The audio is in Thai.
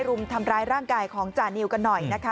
รุมทำร้ายร่างกายของจานิวกันหน่อยนะคะ